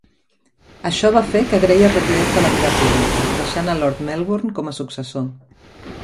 Això va fer que Grey es retirés de la vida pública, deixant a Lord Melbourne com a successor.